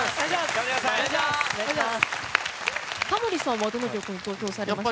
タモリさんはどの曲に投票されましたか？